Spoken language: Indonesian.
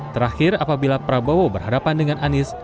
terakhir apabila prabowo berhadapan dengan anies